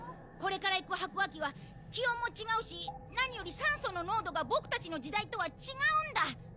これから行く白亜紀は気温も違うし何より酸素の濃度がボクたちの時代とは違うんだ。